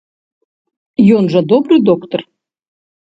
Ён жа добры доктар?